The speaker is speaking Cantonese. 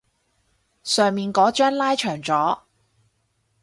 上面嗰張拉長咗